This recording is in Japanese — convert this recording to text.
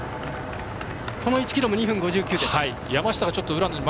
この１ｋｍも２分５９です。